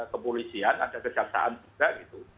kepolisian ada kejaksaan juga gitu